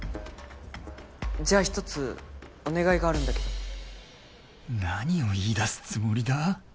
じゃあ一つお願いがあるんだけど何を言いだすつもりだ？